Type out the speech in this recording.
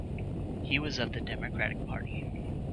He was of the Democratic Party.